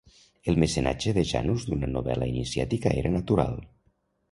El mecenatge de Janus d'una novel·la iniciàtica era natural.